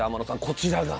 こちらが。